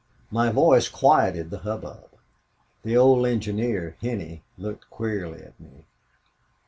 "My voice quieted the hubbub. The old engineer, Henney, looked queerly at me.